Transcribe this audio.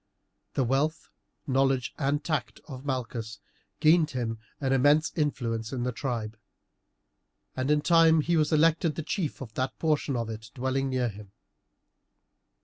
The wealth, knowledge, and tact of Malchus gained him an immense influence in the tribe, and in time he was elected the chief of that portion of it dwelling near him.